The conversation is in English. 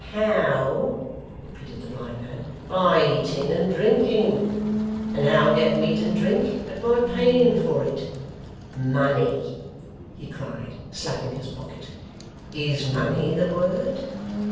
'How!' repeated the blind man. 'By eating and drinking. And how get meat and drink, but by paying for it! Money!' he cried, slapping his pocket. 'Is money the word?